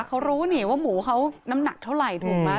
เขารู้นี่ว่าหมูเขาน้ำหนักเท่าไหร่ถูกไหม